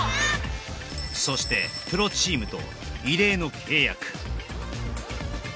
そしてプロチームと異例の契約